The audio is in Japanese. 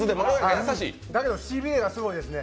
だけど、しびれがすごいですね。